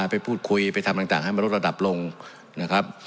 ไปพูดคุยไปทำต่างให้มันลดระดับลงนะครับ